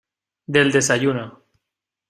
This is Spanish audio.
del desayuno.